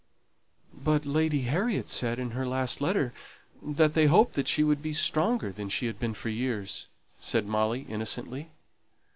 "But Lady Harriet said, in her last letter, that they hoped she would be stronger than she had been for years," said Molly, innocently.